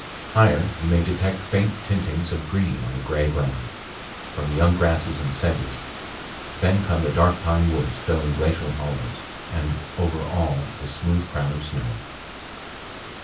Higher you may detect faint tintings of green on a gray ground, from young grasses and sedges; then come the dark pine woods filling glacial hollows, and over all the smooth crown of snow.